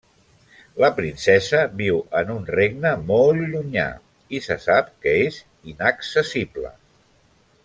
La princesa viu en un regne molt llunyà i se sap que és inaccessible.